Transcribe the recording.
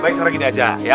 baik sekarang gini aja ya